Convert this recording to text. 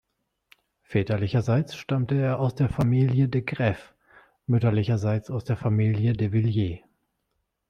Väterlicherseits stammte er aus der Familie De Graeff, mütterlicherseits aus der Familie De Villiers.